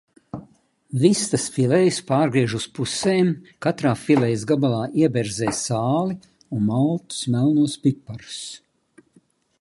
Vistas filejas pārgriež uz pusēm, katrā filejas gabalā ieberzē sāli un maltus melnos piparus.